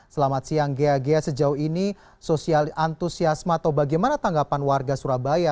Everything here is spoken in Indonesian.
selamat siang gia gia sejauh ini sosial antusiasma atau bagaimana tanggapan warga surabaya